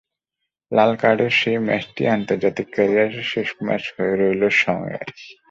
লাল কার্ডের সেই ম্যাচটিই আন্তর্জাতিক ক্যারিয়ারের শেষ ম্যাচ হয়ে রইল সংয়ের।